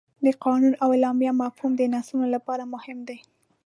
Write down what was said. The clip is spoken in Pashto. د قانون او اعلامیه مفهوم د نسلونو لپاره مهم دی.